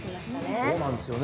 そうなんですよね。